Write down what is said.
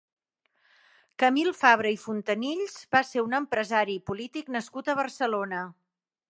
Camil Fabra i Fontanills va ser un empresari i polític nascut a Barcelona.